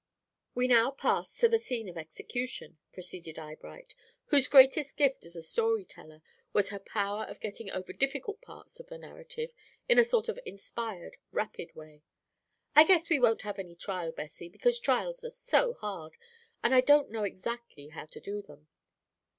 "We now pass to the scene of execution," proceeded Eyebright, whose greatest gift as a storyteller was her power of getting over difficult parts of the narrative in a sort of inspired, rapid way. "I guess we won't have any trial, Bessie, because trials are so hard, and I don't know exactly how to do them.